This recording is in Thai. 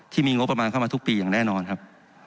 ที่มีงบประมาณเข้ามาทุกปีอย่างแน่นอนครับ